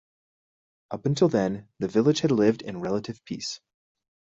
Up until then, the village had lived in relative peace.